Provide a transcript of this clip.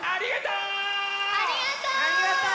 ありがとう！